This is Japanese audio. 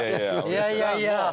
いやいやいや。